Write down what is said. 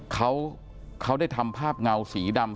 เขาได้ทำภาพเงาสีดำ